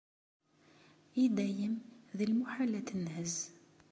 I dayem, d lmuḥal ad tenhezz.